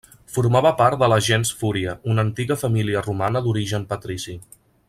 Formava part de la gens Fúria, una antiga família romana d'origen patrici.